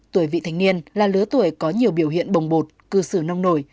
tuổi vị thanh niên là lứa tuổi có nhiều biểu hiện bồng bột cư xử nông nổi